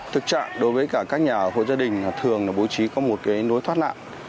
thực trạng đối với các nhà ở hội gia đình thường bố trí có một nối thoát nạn